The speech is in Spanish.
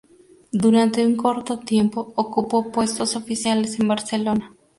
Durante un corto tiempo ocupó puestos oficiales en Barcelona.